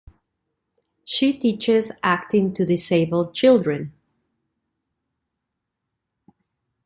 She teaches acting to disabled children.